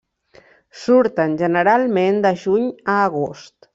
Surten generalment de juny a agost.